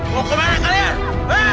mau kemana kalian